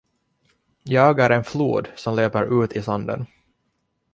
Jag är en flod som löper ut i sanden.